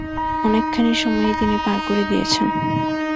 অনেকখানি সময়ই তিনি পার করে দিয়েছেন।